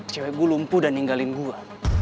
cewek gue lumpuh dan ninggalin gue